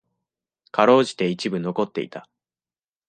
辛うじて一部残っていた。